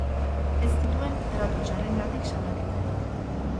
Ez zituen tratu txarrengatik salaketarik.